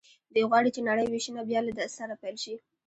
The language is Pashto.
دوی غواړي چې نړۍ وېشنه بیا له سره پیل شي